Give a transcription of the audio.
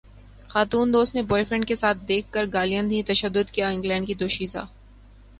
خاتون دوست نے بوائے فرینڈ کے ساتھ دیکھ کر گالیاں دیں تشدد کیا انگلینڈ کی دوشیزہ